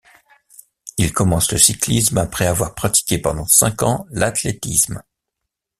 Il commence le cyclisme après avoir pratiqué pendant cinq ans l'athlétisme.